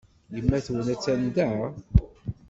Yemma-twen attan da?